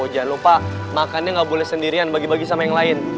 jangan lupa makannya nggak boleh sendirian bagi bagi sama yang lain